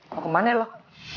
mau ke mana loh